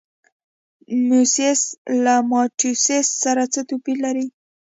میوسیس له مایټوسیس سره څه توپیر لري؟